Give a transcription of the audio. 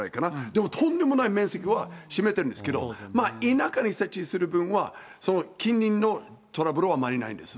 でもとんでもない面積を占めてるんですけど、田舎に設置する分は、その近隣のトラブルはあまりないんです。